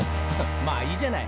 「まあいいじゃない」